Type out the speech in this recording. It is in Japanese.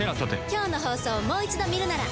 今日の放送をもう一度見るなら。